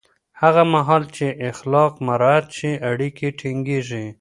هغه مهال چې اخلاق مراعت شي، اړیکې ټینګېږي.